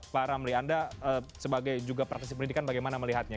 pak ramli anda sebagai juga praktisi pendidikan bagaimana melihatnya